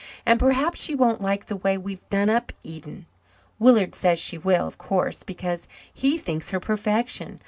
And perhaps she won't like the way we've done up Eden. Willard says she will, of course, because he thinks her perfection.